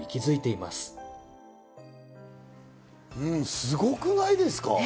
すごくないですか？